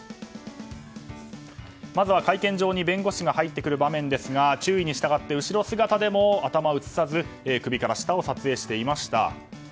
まずは会見場に弁護士が入ってくる場面ですが注意に従って後姿でも頭を映さず首から下を撮影していました。